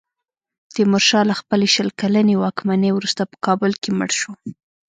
تیمورشاه له خپلې شل کلنې واکمنۍ وروسته په کابل کې مړ شو.